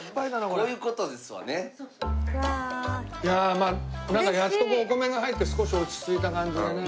いやあまあなんかやっとお米が入って少し落ち着いた感じだね。